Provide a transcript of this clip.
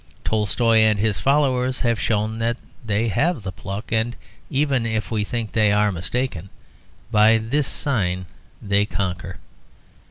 Tolstoy and his followers have shown that they have the pluck, and even if we think they are mistaken, by this sign they conquer.